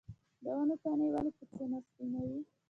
د ونو تنې ولې په چونه سپینوي؟